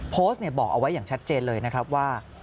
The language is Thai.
โพสต์บอกเอาไว้อย่างชัดเจนเลยนะครับว่า